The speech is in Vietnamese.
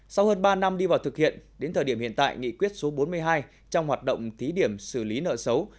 sau hơn ba năm đi vào thực hiện đến thời điểm hiện tại nghị quyết số bốn mươi hai trong hoạt động thí điểm xử lý nợ xấu